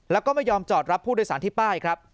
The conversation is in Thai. แล้วก็ไม่ยอมจอดรับผู้โดยสารที่ป้ายครับ